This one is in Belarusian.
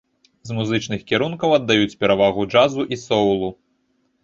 З музычных кірункаў аддаюць перавагу джазу і соўлу.